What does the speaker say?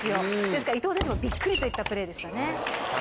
ですから伊藤選手もびっくりといったプレーでしたね。